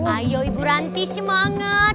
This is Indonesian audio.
ayo ibu ranti semangat